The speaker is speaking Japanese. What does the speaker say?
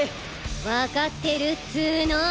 わかってるっつうの。